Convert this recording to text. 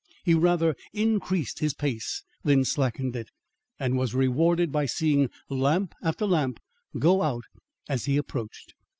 He rather increased his pace than slackened it and was rewarded by seeing lamp after lamp go out as he approached.